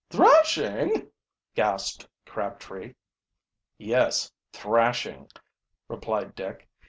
"Thrashing!" gasped Crabtree. "Yes, thrashing," replied Dick.